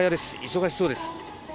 忙しそうです。